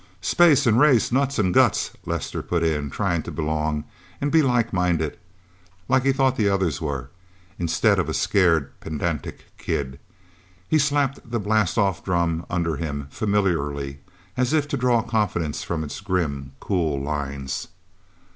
"Space and race, nuts and guts!" Lester put in, trying to belong, and be light minded, like he thought the others were, instead of a scared, pedantic kid. He slapped the blastoff drum under him, familiarly, as if to draw confidence from its grim, cool lines.